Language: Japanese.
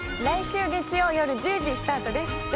来週月曜夜１０時スタートです。